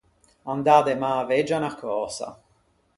Andâ de mäveggia unna cösa.